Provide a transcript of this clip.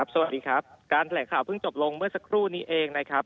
สวัสดีครับการแถลงข่าวเพิ่งจบลงเมื่อสักครู่นี้เองนะครับ